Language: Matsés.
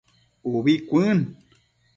Ubi cuën